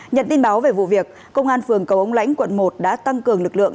nhận tin báo về vụ việc công an phường cầu ông lãnh quận một đã tăng cường lực lượng